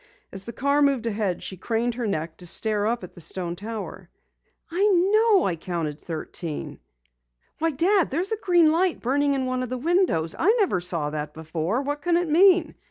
As the car moved ahead, she craned her neck to stare up at the stone tower. "I know I counted thirteen. Why, Dad, there's a green light burning in one of the windows! I never saw that before. What can it mean?"